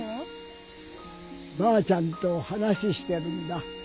ばあちゃんと話してるんだ。